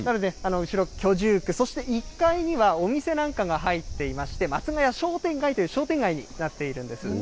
後ろ、居住区、そして１階にはお店なんかが入っていまして、松が谷商店街という商店街になっているんです。